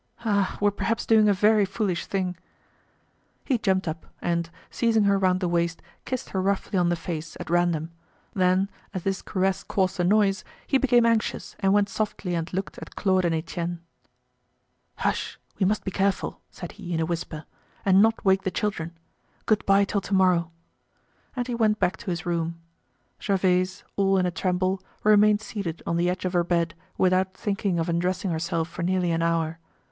Ah! we're perhaps doing a very foolish thing." He jumped up, and, seizing her round the waist, kissed her roughly on the face, at random. Then, as this caress caused a noise, he became anxious, and went softly and looked at Claude and Etienne. "Hush, we must be careful," said he in a whisper, "and not wake the children. Good bye till to morrow." And he went back to his room. Gervaise, all in a tremble, remained seated on the edge of her bed, without thinking of undressing herself for nearly an hour.